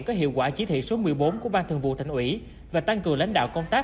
có hiệu quả chỉ thị số một mươi bốn của ban thường vụ thành ủy và tăng cường lãnh đạo công tác